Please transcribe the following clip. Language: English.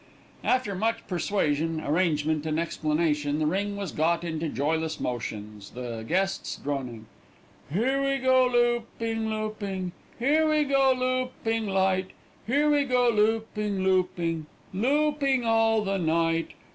After much persuasion, arrangement, and explanation, the ring was got into joyless motion, the guests droning: "Here we go looping, looping. Here we go looping light. Here we go looping, looping. Looping all the night.